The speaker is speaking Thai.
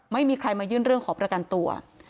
ไม่มีใครมายื่นเรื่องขอประกันตัว